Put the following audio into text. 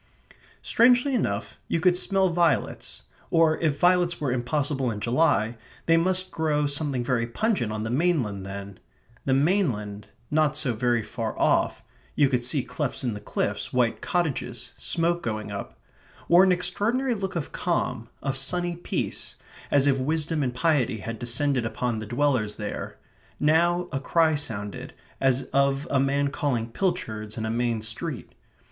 Strangely enough, you could smell violets, or if violets were impossible in July, they must grow something very pungent on the mainland then. The mainland, not so very far off you could see clefts in the cliffs, white cottages, smoke going up wore an extraordinary look of calm, of sunny peace, as if wisdom and piety had descended upon the dwellers there. Now a cry sounded, as of a man calling pilchards in a main street.